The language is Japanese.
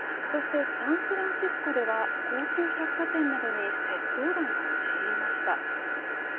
そして、サンフランシスコでは高級百貨店などに窃盗団が押し入りました。